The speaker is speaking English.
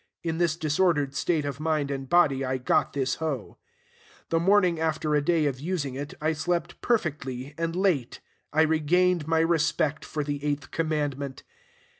In this disordered state of mind and body I got this hoe. The morning after a day of using it I slept perfectly and late. I regained my respect for the eighth commandment.